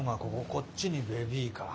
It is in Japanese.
こっちにベビーカー。